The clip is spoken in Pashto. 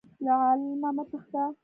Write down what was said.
له علمه مه تښته.